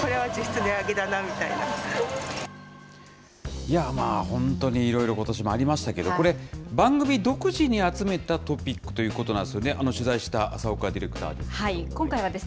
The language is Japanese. いやまあ、本当にいろいろ、ことしもありましたけど、これ、番組独自に集めたトピックということなんですよね、取材した浅岡ディレクターです。